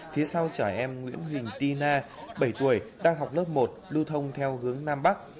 phía sau trẻ em nguyễn huỳnh ti na bảy tuổi đang học lớp một lưu thông theo hướng nam bắc